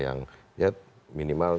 yang ya minimal